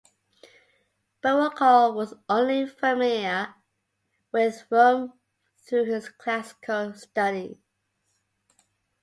Berrocal was only familiar with Rome through his classical studies.